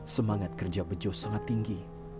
semangat kerja bejo sangat tinggi